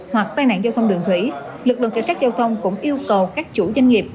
hoặc tai nạn giao thông đường thủy lực lượng cảnh sát giao thông cũng yêu cầu các chủ doanh nghiệp